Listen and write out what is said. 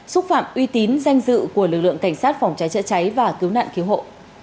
xúc phạm uy tín danh dự của lực lượng cảnh sát phòng cháy chữa cháy và cứu nạn cứu hộ